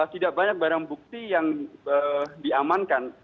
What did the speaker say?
tidak banyak barang bukti yang diamankan